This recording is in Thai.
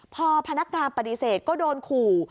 พอพนักงานปฏิเสธก็โดนขู่